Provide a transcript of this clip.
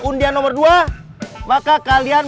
undian nomor dua maka kalian